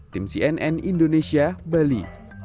tim cnn indonesia bali